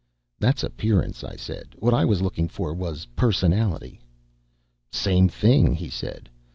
"That's appearance," I said. "What I was looking for was personality." "Same thing," he said.